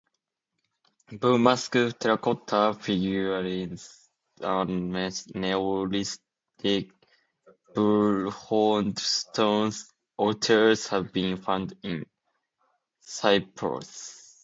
Bull-masked terracotta figurines and Neolithic bull-horned stone altars have been found in Cyprus.